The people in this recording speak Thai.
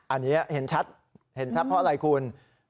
อันนี้เห็นชัดเพราะอะไรคุณ